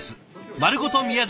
「まるごと宮崎」。